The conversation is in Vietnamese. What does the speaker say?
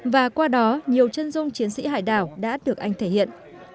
và qua đó nhiều chân dung chiến sĩ hải đảo đã được anh thể hiện